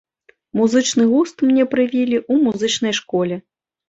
Музычны густ мне прывілі ў музычнай школе.